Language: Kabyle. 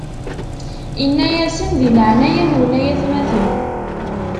Inna-yasen: Di leɛnaya-nwen, ay atmaten!